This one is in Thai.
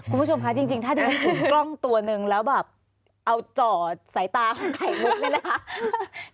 ทุกผู้ชมคะจริงถ้าเดี๋ยวผมกล้องตัวนึงแล้วแบบเอาเจาะสายตาของไข่มุกเลยนะคะ